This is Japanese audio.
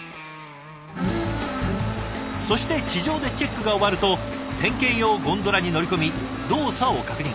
そして地上でチェックが終わると点検用ゴンドラに乗り込み動作を確認。